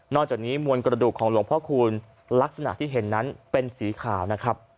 จากนี้มวลกระดูกของหลวงพ่อคูณลักษณะที่เห็นนั้นเป็นสีขาวนะครับ